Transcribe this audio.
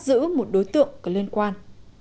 giữ một đối tượng có liên quan